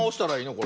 これ。